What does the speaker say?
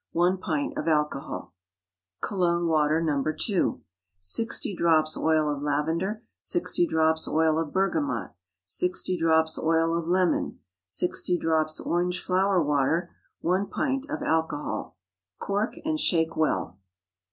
1 pint of alcohol. COLOGNE WATER. (No. 2.) 60 drops oil of lavender. 60 drops oil of bergamot. 60 drops oil of lemon. 60 drops orange flower water. 1 pint of alcohol. Cork and shake well.